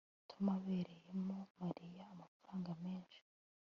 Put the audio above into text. Tom abereyemo Mariya amafaranga menshi